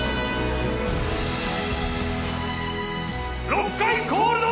６回コールド！